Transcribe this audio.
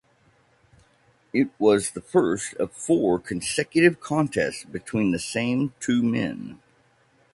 It was the first of four consecutive contests between the same two men.